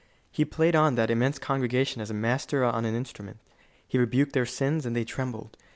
He played on that immense congregation as a master on an instrument. He rebuked their sins, and they trembled.